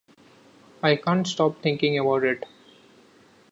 I can't stop thinking about it.